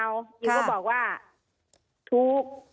อิวก็บอกว่าถูก